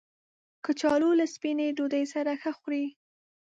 کچالو له سپینې ډوډۍ سره ښه خوري